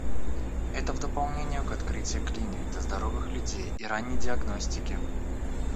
Это в дополнение к открытию клиник для здоровых людей и ранней диагностики.